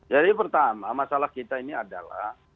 jadi pertama masalah kita ini adalah